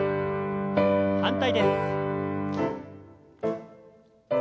反対です。